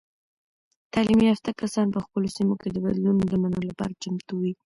تعلیم یافته کسان په خپلو سیمو کې د بدلونونو د منلو لپاره چمتو وي.